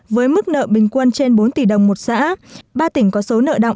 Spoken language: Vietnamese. với mức nợ bình quân trên bốn tỷ đồng một xã ba tỉnh có số nợ động